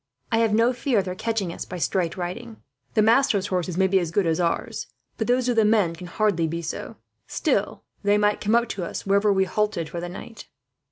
I have no fear of their catching us by straight riding. The masters' horses may be as good as ours, but those of the men can hardly be so. Still, they might come up to us wherever we halted for the night."